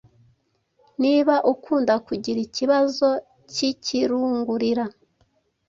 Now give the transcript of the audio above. Niba ukunda kugira ikibazo cy’ikirungurira